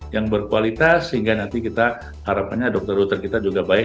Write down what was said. yang berkualitas sehingga nanti kita harapannya dokter dokter kita juga baik